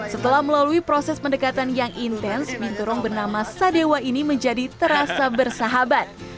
setelah melalui proses pendekatan yang intens binturong bernama sadewa ini menjadi terasa bersahabat